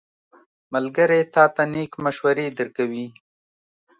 ملګری تا ته نېک مشورې درکوي.